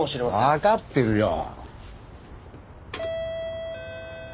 わかってるよ。